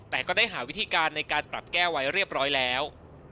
แต่ก็ได้หาวิธีการในการปรับแก้ไว้เรียบร้อยแล้ว